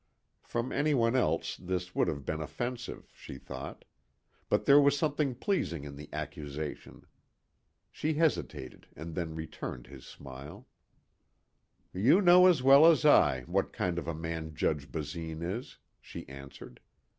From anyone else this would have been offensive, she thought. But there was something pleasing in the accusation. She hesitated and then returned his smile. "You know as well as I, what kind of a man Judge Basine is," she answered.